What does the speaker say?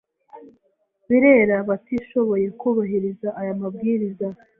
birera batishoboye kubahiriza aya mabwiriza